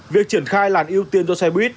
việc triển khai làn ưu tiên cho xe buýt